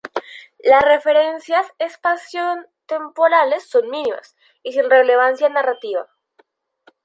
Las referencias espacio-temporales son mínimas y sin relevancia narrativa.